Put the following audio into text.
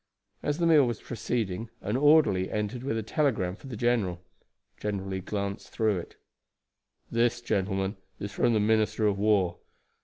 As the meal was proceeding an orderly entered with a telegram for the general. General Lee glanced through it. "This, gentlemen, is from the minister of war.